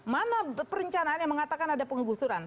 mana perencanaan yang mengatakan ada penggusuran